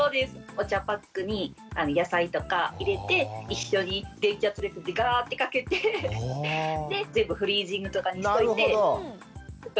お茶パックに野菜とか入れて一緒に電気圧力でガーッてかけてで全部フリージングとかにしといて楽してました。